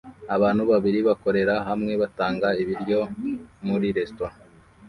Abantu babiri bakorera hamwe batanga ibiryo muri resitora